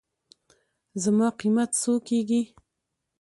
زما قېمت څو کېږي.